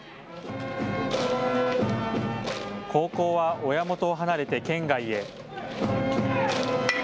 高校は親元を離れて県外へ。